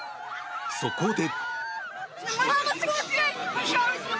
そこで。